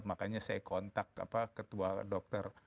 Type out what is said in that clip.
makanya saya kontak ketua dokter